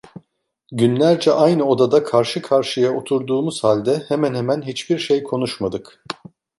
Günlerce aynı odada karşı karşıya oturduğumuz halde hemen hemen hiçbir şey konuşmadık.